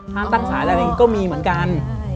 ห้ามตั้งศาลอะไรก็มีเหมือนกัน